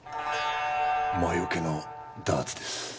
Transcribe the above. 魔よけのダーツです。